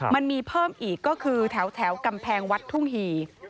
มันมีเพิ่มอีกก็คือแถวกำแพงวัดทุ่งหี่